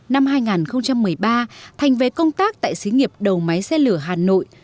năm hai nghìn một mươi ba thành về công tác tại xí nghiệp đầu máy xe lửa hà nội